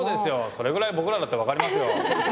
それぐらいぼくらだってわかりますよ。